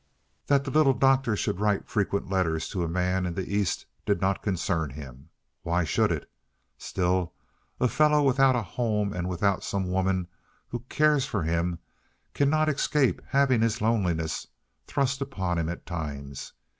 That the Little Doctor should write frequent letters to a man in the East did not concern him why should it? Still, a fellow without a home and without some woman who cares for him, cannot escape having his loneliness thrust upon him at times.